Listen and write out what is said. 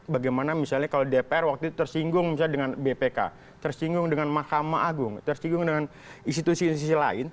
bagaimana misalnya kalau dpr waktu itu tersinggung misalnya dengan bpk tersinggung dengan mahkamah agung tersinggung dengan institusi institusi lain